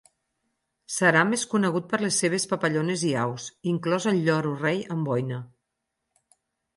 Seram es conegut per les severs papallones i aus, inclòs el lloro rei Amboina.